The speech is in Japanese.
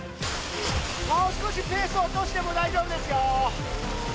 もう少しペースを落としても大丈夫ですよ。